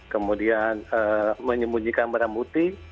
kemudian menyembunyikan barang bukti